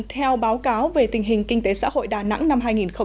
theo báo cáo về tình hình kinh tế xã hội đà nẵng năm hai nghìn một mươi chín